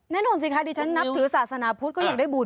แน่นอนสิคะที่ฉันนับถือศาสนาพุธก็อยากได้บุญ